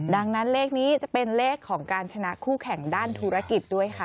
ดังนั้นเลขนี้จะเป็นเลขของการชนะคู่แข่งด้านธุรกิจด้วยค่ะ